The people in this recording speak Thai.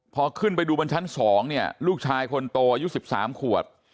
พอขึ้นไปดูบนชั้น๒เนี่ยลูกชายคนโตอายุ๑๓ขวบ